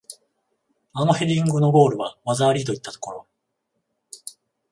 あのヘディングのゴールは技ありといったところ